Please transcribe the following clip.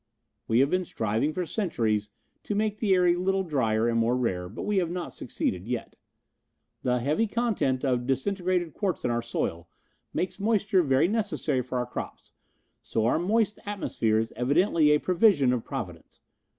"We have been striving for centuries to make the air a little drier and more rare, but we have not succeeded yet. The heavy content of disintegrated quartz in our soil makes moisture very necessary for our crops, so our moist atmosphere is evidently a provision of providence.